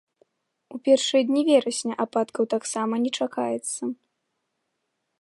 У першыя дні верасня ападкаў таксама не чакаецца.